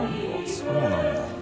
そうなんだ。